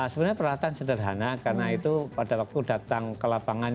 sebenarnya peralatan sederhana karena itu pada waktu datang ke lapangan